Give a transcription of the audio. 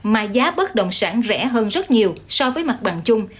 mà giá bất động sản rẻ hơn rất nhiều so với mặt bằng chung